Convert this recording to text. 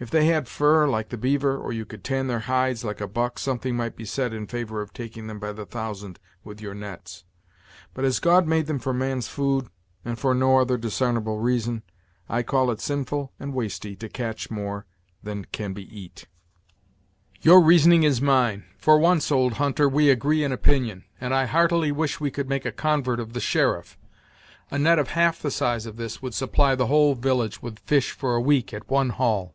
If they had fur, like the beaver, or you could tan their hides, like a buck, something might be said in favor of taking them by the thousand with your nets; but as God made them for man's food, and for no other disarnable reason, I call it sinful and wasty to catch more than can be eat." "Your reasoning is mine; for once, old hunter, we agree in opinion; and I heartily wish we could make a convert of the sheriff. A net of half the size of this would supply the whole village with fish for a week at one haul."